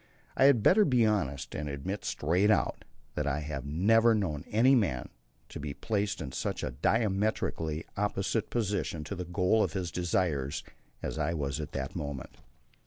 I had better be honest and admit straight out that I have never known any man to be placed in such a diametrically opposite position to the goal of his desires as I was at that moment.